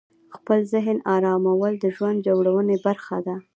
خپل ذهن آرامول د ژوند جوړونې برخه ده.